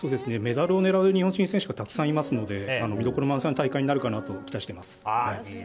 メダルを狙う日本人選手がたくさんいますので見どころ満載の大会になるかなと期待してます。